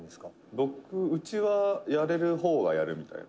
「僕うちはやれる方がやるみたいな」